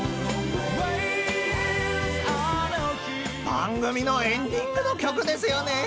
［番組のエンディングの曲ですよねえ］